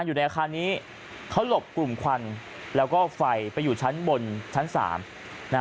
อยู่ในอาคารนี้เขาหลบกลุ่มควันแล้วก็ไฟไปอยู่ชั้นบนชั้น๓นะฮะ